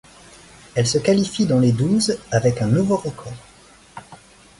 Elle se qualifie dans les douze, avec un nouveau record.